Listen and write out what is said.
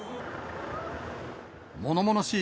ものものしい